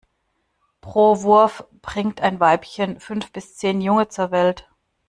Pro Wurf bringt ein Weibchen fünf bis zehn Junge zur Welt.